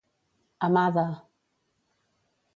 A mà de.